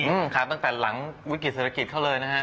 อืมครับตั้งแต่หลังวิกฤติศาสตราคิดเข้าเลยนะครับ